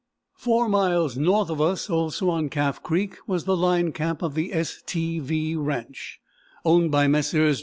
Four miles north of us, also on Calf Creek, was the line camp of the =STV= ranch, owned by Messrs.